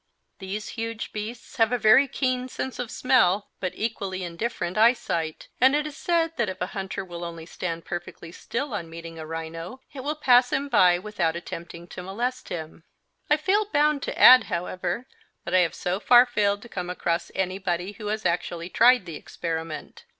These huge beasts have a very keen sense of smell, but equally indifferent eyesight, and it is said that if a hunter will only stand perfectly still on meeting a rhino, it will pass him by without attempting to molest him. I feel bound to add, however, that I have so far failed to come across anybody who has actually tried the experiment.